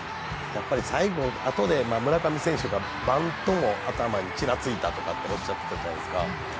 最後、あとで村上選手がバントも頭にちらついたとかおっしゃってたじゃないですか。